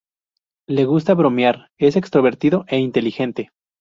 Le gusta bromear, es extrovertido e inteligente.